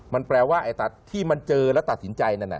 มันแปลว่าไอ้ตัดที่มันเจอและตัดสินใจ